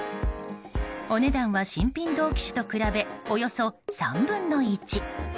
お値段は新品同機種と比べおよそ３分の１。